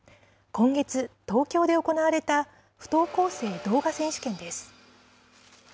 今月、東京で行われた不登校生動画選手権です。